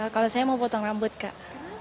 kalau saya mau potong rambut kak